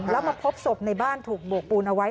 แล้วมาพบศพในบ้านถูกโบกปูนเอาไว้